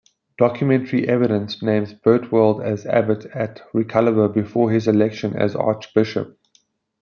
Documentary evidence names Berhtwald as abbot at Reculver before his election as archbishop.